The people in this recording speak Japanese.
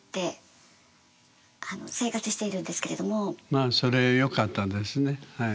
まあそれはよかったですねはい。